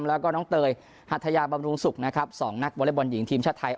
แล้วก็น้องเตยหัทยาบำรุงศุกร์นะครับ๒นักวอเล็กบอลหญิงทีมชาติไทย